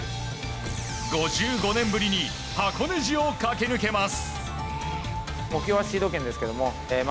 ５５年ぶりに箱根路を駆け抜けます。